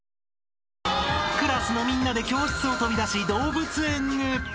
クラスのみんなで教室を飛び出し動物園へ。